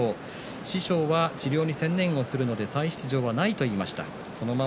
師匠は治療に専念するので再出場はないということでした。